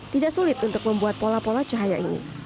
tidak sulit untuk membuat pola pola cahaya ini